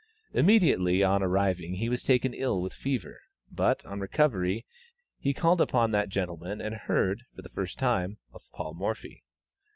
Immediately on arriving he was taken ill with fever; but on recovery, he called upon that gentleman and heard, for the first time, of Paul Morphy.